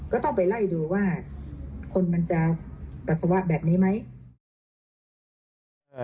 ก็ต้องไปไล่ดูว่าคนมันจะปัสสาวะแบบนี้ไหม